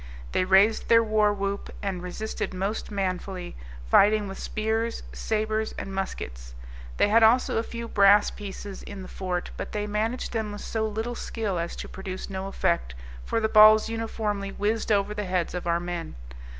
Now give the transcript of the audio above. They raised their warwhoop, and resisted most manfully, fighting with spears, sabres, and muskets. They had also a few brass pieces in the fort, but they managed them with so little skill as to produce no effect, for the balls uniformly whizzed over the heads of our men.